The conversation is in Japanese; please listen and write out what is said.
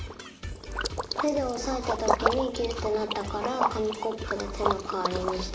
てでおさえたときにギュッてなったからかみコップでてのかわりにした。